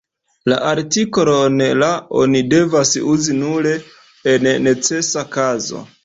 La artikolon "la" oni devas uzi nur en necesa kazo.